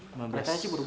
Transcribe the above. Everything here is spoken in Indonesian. lihat aja buru buru